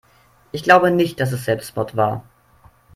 Ich glaube nicht, dass es Selbstmord war.